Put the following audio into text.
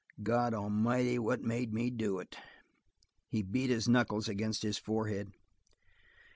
God amighty, what made me do it?" He beat his knuckles against his forehead.